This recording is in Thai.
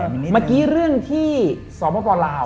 เมื่อกี้เรื่องที่สปลาว